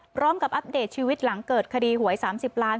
พร้อมกับอัปเดตชีวิตหลังเกิดคดีหวย๓๐ล้าน